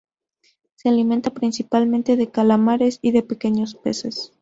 Se alimenta principalmente de calamares y de pequeños peces.